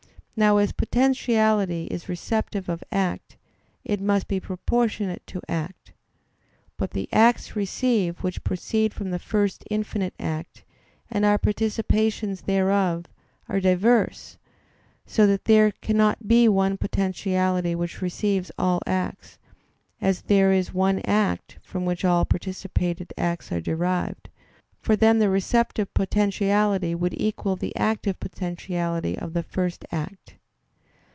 Now as potentiality is receptive of act, it must be proportionate to act. But the acts received which proceed from the First Infinite Act, and are participations thereof, are diverse, so that there cannot be one potentiality which receives all acts, as there is one act, from which all participated acts are derived; for then the receptive potentiality would equal the active potentiality of the First Act.